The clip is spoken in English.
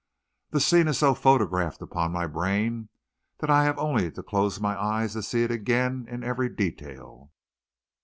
That scene is so photographed upon my brain that I have only to close my eyes to see it again in every detail.